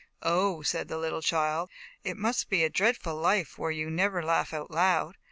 "Oh?" said the little child, "It must be a dreadful life, where you never laugh out loud.